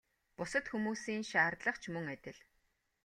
Бусад хүмүүсийн шаардлага ч мөн адил.